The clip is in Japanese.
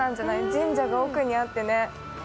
神社が奥にあって。